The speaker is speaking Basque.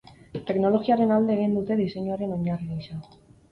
Teknologiaren alde egin dute diseinuaren oinarri gisa.